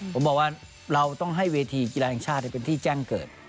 ผมบอกว่าเราต้องให้เวทีกีฬาแห่งชาติเป็นที่แจ้งเกิด